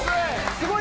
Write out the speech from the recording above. すごい！